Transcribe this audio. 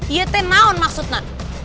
iya tenang maksudnya